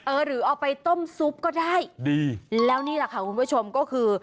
หรือเอาไปต้มซุปก็ได้ดีแล้วนี่แหละค่ะคุณผู้ชมก็คือ